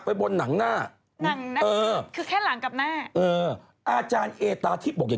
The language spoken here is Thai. ไปบนหนังหน้า